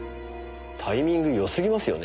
タイミングよすぎますよね。